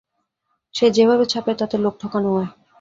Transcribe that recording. সে যেভাবে ছাপে তাতে লোক ঠকান হয়।